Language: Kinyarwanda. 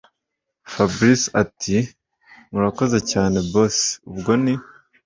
fabric ati”murakoze cyane boss ubwo ni